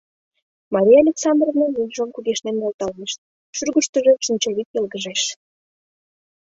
Мария Александровна вуйжым кугешнен нӧлталеш, шӱргыштыжӧ шинчавӱд йылгыжеш.